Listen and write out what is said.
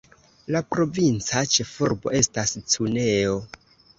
La provinca ĉefurbo estas Cuneo.